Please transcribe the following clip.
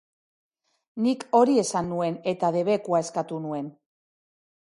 Nik hori esan nuen eta debekua eskatu nuen.